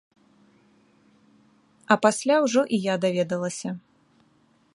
А пасля ўжо і я даведалася.